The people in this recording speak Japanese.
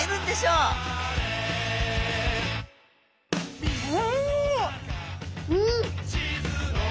うん！